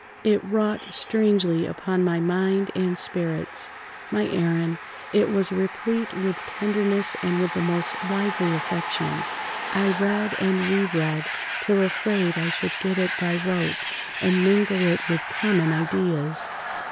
It wrought strangely upon my mind and spirits. My Aaron, it was replete with tenderness and with the most lively affection. I read and re read till afraid I should get it by rote, and mingle it with common ideas."